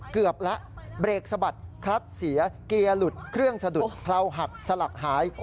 เกือบแล้วเบรกสะบัดคลัดเสียเกียร์หลุดเครื่องสะดุดเพราหักสลักหาย